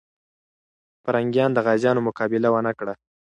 پرنګیان د غازيانو مقابله ونه کړه.